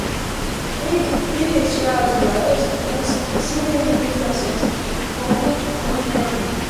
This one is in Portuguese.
E vestiu as glórias das civilizações como ornamento